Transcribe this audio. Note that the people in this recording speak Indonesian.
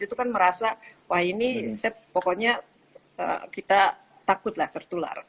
itu kan merasa wah ini saya pokoknya kita takut lah tertular